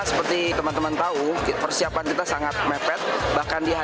sama telkom indonesia juga yang sudah mendukung kita